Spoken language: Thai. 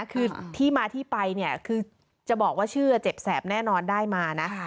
คือที่มาที่ไปเนี่ยคือจะบอกว่าชื่อเจ็บแสบแน่นอนได้มานะ